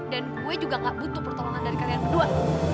dan gue juga nggak butuh pertolongan dari kalian berdua